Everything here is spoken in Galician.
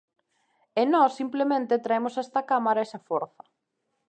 E nós simplemente traemos a esta cámara esa forza.